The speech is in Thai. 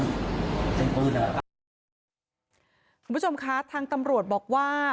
คุณผู้ชมคะทางตำรวจบอกว่า